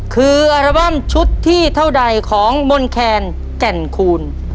คืออัลบั้มชุดที่เท่าใดของมนแคนแก่นคูณ